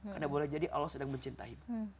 karena boleh jadi allah sedang mencintai